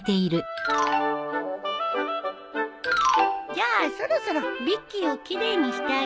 じゃあそろそろビッキーを奇麗にしてあげようか。